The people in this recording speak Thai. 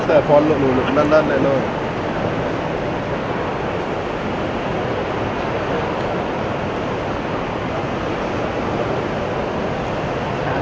เสิร์ฟโฟนหนูหนูเลิกเลิกเลยเลย